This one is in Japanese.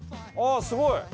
ああすごい！